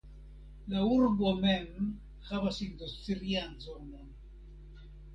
La urbo mem havas industrian zonon.